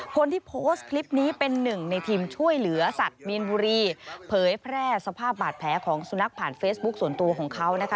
คนที่โพสต์คลิปนี้เป็นหนึ่งในทีมช่วยเหลือสัตว์มีนบุรีเผยแพร่สภาพบาดแผลของสุนัขผ่านเฟซบุ๊คส่วนตัวของเขานะคะ